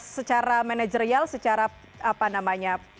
secara manajerial secara